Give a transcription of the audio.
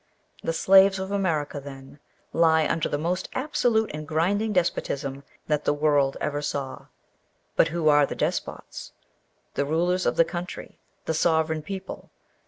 The slaves of America, then, lie under the most absolute and grinding despotism that the world ever saw. But who are the despots? The rulers of the country the sovereign people!